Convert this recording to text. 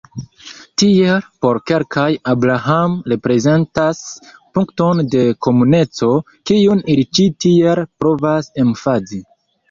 Tiel, por kelkaj, Abraham reprezentas punkton de komuneco, kiun ili ĉi tiel provas emfazi.